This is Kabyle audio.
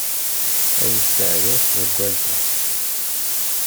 Ay tesseɛyay tḍewwalt-a!